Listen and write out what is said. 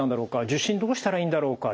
受診どうしたらいいんだろうか。